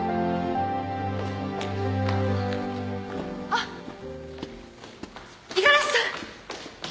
あっ五十嵐さん！